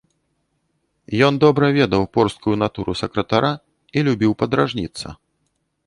Ён добра ведаў порсткую натуру сакратара й любіў падражніцца.